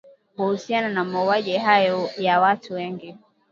Kuhusiana na mauaji hayo ya watu wengi.